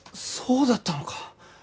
そうだったのか！